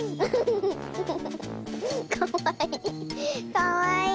かわいい！